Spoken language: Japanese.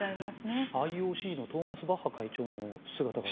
ＩＯＣのトーマス・バッハ会長の姿が。